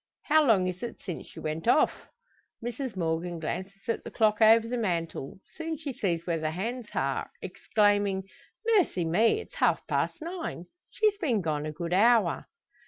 "How long is it since she went off?" Mrs Morgan glances at the clock over the mantel; soon she sees where the hands are, exclaiming: "Mercy me! It's half past nine! She's been gone a good hour!"